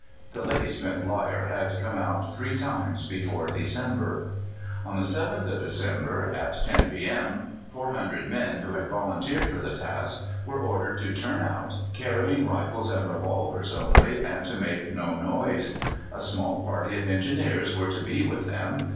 The Ladysmith Lyre had come out three times before December. On the 7th of December, at 10 p.m., 400 men, who had volunteered for the task, were ordered to turn out, carrying rifles and revolvers only, and to make no noise. A small party of Engineers were to be with them.